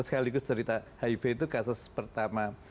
sekaligus cerita hiv itu kasus pertama